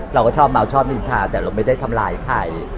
เราก็ชอบเมาชอบนินทาแต่เราไม่ได้ทำร้ายใคร